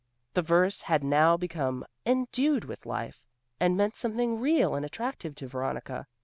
The verse had now become endued with life, and meant something real and attractive to Veronica.